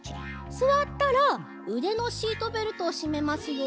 すわったらうでのシートベルトをしめますよ。